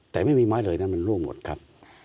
แต่ไม่มีไม้เลยนะมันล่วงหมดครับ